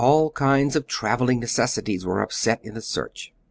All kinds of traveling necessities were upset in the search.